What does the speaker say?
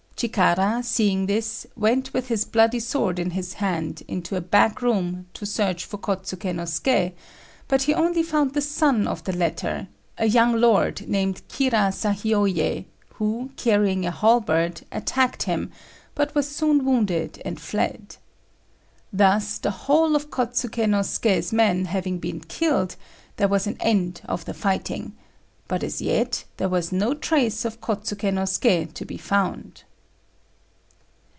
Chikara, seeing this, went with his bloody sword in his hand into a back room to search for Kôtsuké no Suké, but he only found the son of the latter, a young lord named Kira Sahioyé, who, carrying a halberd, attacked him, but was soon wounded and fled. Thus the whole of Kôtsuké no Suké's men having been killed, there was an end of the fighting; but as yet there was no trace of Kôtsuké no Suké to be found.